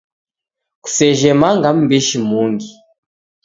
Kusejhe manga mbishi mungi.